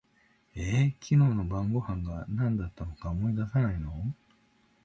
え、昨日の晩御飯が何だったか思い出せないの？